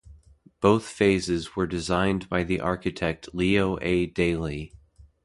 Both phases were designed by the architect Leo A. Daly.